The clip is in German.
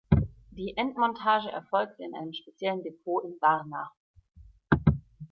Die Endmontage erfolgte in einem speziellen Depot in Warna.